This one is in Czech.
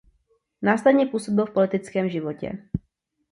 Následně působil v politickém životě.